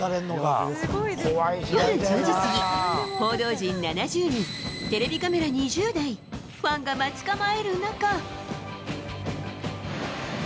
夜１０時過ぎ、報道陣７０人、テレビカメラ２０台、ファンが待ち構える中。